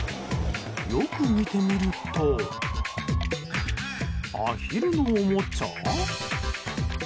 よく見てみるとアヒルのおもちゃ？